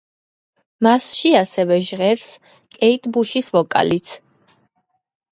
მასში ასევე ჟღერს კეიტ ბუშის ვოკალიც.